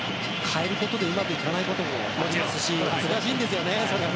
変えることでうまくいかないこともあるから難しいんですよね。